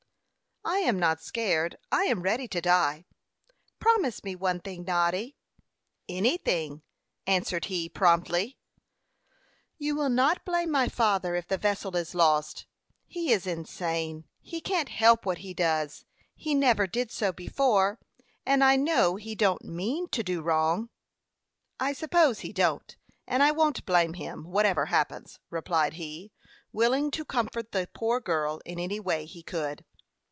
"I am not scared; I am ready to die. Promise me one thing, Noddy." "Anything," answered he, promptly. "You will not blame my father if the vessel is lost. He is insane; he can't help what he does. He never did so before, and I know he don't mean to do wrong." "I suppose he don't, and I won't blame him, whatever happens," replied he, willing to comfort the poor girl in any way he could.